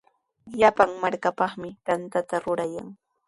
Llapan markapaqmi tantata rurayan.